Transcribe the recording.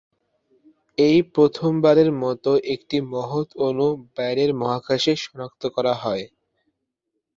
এই প্রথমবারের মত একটি মহৎ অণু বাইরের মহাকাশে সনাক্ত করা হয়।